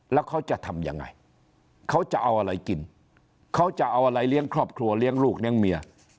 แล้วเขาจะทำยังไงเขาจะเอาอะไรกินเขาจะเอาอะไรเลี้ยงครอบครัวเลี้ยงลูกเลี้ยงเมีย